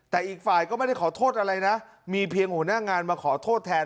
แต่อีกฝ่ายก็ไม่ได้ขอโทษอะไรนะมีเพียงหัวหน้างานมาขอโทษแทน